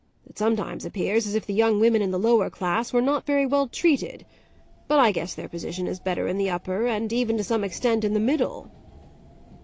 It sometimes appears as if the young women in the lower class were not very well treated; but I guess their position is better in the upper and even to some extent in the middle."